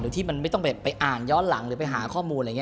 หรือที่มันไม่ต้องไปอ่านย้อนหลังหรือไปหาข้อมูล